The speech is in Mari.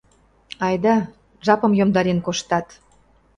— Айда, жапым йомдарен коштат.